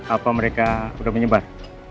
apa mereka udah menyebar